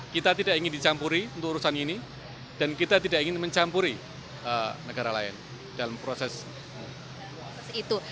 kita tidak ingin dicampuri untuk urusan ini dan kita tidak ingin mencampuri negara lain dalam proses itu